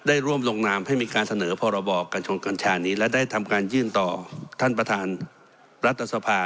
ร่วมลงนามให้มีการเสนอพรบกัญชงกัญชานี้และได้ทำการยื่นต่อท่านประธานรัฐสภา